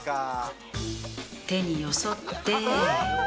手によそって